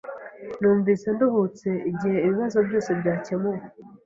Numvise nduhutse igihe ibibazo byose byakemuwe.